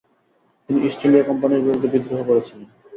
তিনি East India কোম্পানির বিরুদ্ধে বিদ্রোহ করেছিলেন।